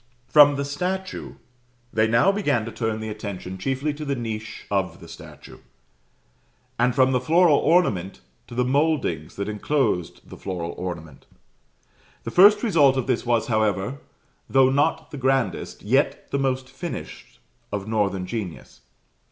From the statue they now began to turn the attention chiefly to the niche of the statue, and from the floral ornament to the mouldings that enclosed the floral ornament. The first result of this was, however, though not the grandest, yet the most finished of northern genius.